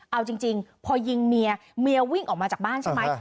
เอาจริงพอยิงเมียเมียวิ่งออกมาจากบ้านใช่ไหม